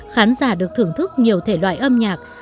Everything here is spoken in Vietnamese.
khán giả được thưởng thức nhiều thể loại âm nhạc